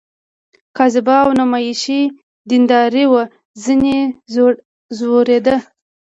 کاذبه او نمایشي دینداري وه ځنې ځورېده.